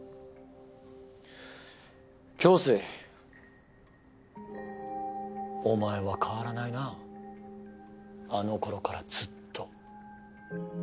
京水お前は変わらないなあの頃からずっと。